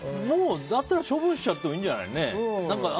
だったら処分しちゃってもいいんじゃないのかな。